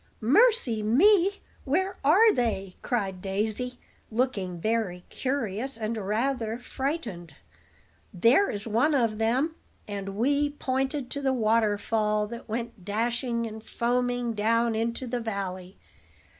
"Mercy, me! where are they?" cried Daisy, looking very curious and rather frightened. "There is one of them." And Wee pointed to the waterfall that went dashing and foaming down into the valley.